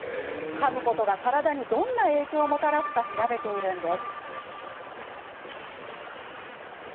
かむことが体にどんな影響をもたらすかを調べているんです。